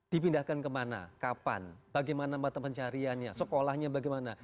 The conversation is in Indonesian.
dipindahkan kemana kapan bagaimana mata pencariannya sekolahnya bagaimana